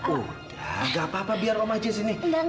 udah gapapa biar om aja disini